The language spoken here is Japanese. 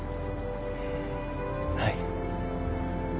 はい。